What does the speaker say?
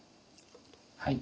はい。